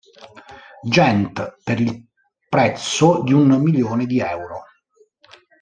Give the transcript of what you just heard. Gent per il prezzo di un milione di euro.